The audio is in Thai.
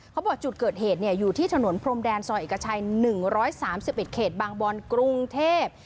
เขาบอกจุดเกิดเหตุเนี่ยอยู่ที่ถนนพรมแดนซอยเอกชัยหนึ่งร้อยสามสิบอีกเขตบางบอนกรุงเทพฯ